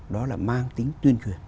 đó là mang tính tuyên truyền